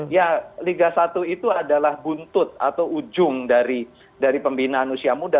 ya liga satu itu adalah buntut atau ujung dari pembinaan usia muda